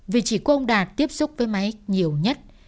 vì chỉ có ông đạt tiếp xúc với máy nhiều nhất